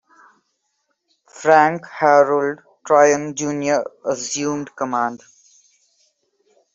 Frank Harold Tryon, Junior assumed command.